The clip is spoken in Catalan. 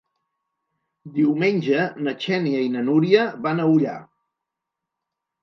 Diumenge na Xènia i na Núria van a Ullà.